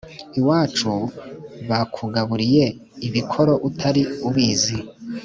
iwacu bakugaburiye ibikoro utari ubizi